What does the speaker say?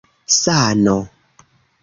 sano